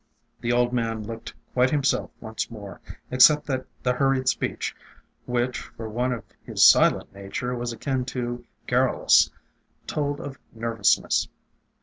The old man looked quite himself once more, except that the hurried speech, which for one of his silent nature was akin to garrulous, told of ner vousness.